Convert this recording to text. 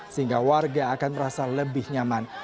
sehingga warga akan merasa lebih nyaman